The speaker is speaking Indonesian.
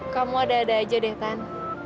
kamu ada ada aja deh kan